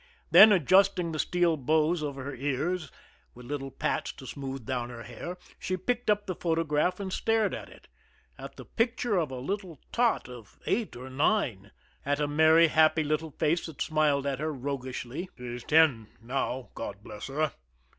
Then, adjusting the steel bows over her ears, with little pats to smooth down her hair, she picked up the photograph and stared at it at the picture of a little tot of eight or nine, at a merry, happy little face that smiled at her roguishly. "She's ten now, God bless her!"